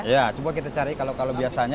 ya coba kita cari kalau biasanya